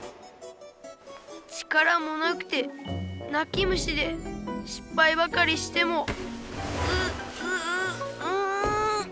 力もなくてなき虫でしっぱいばかりしてもうっうううん！